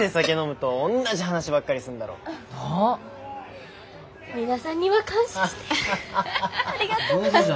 ありがとうございます。